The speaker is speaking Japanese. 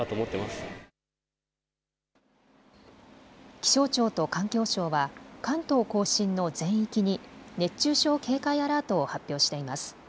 気象庁と環境省は関東甲信の全域に熱中症警戒アラートを発表しています。